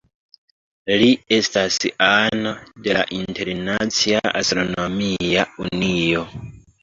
Li estas ano de la Internacia Astronomia Unio.